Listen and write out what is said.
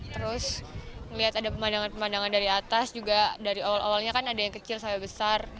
terus melihat ada pemandangan pemandangan dari atas juga dari awal awalnya kan ada yang kecil sampai besar